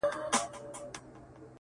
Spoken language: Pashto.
o شپه چي تياره سي .رڼا خوره سي.